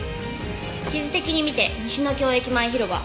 地図的に見て西ノ京駅前広場。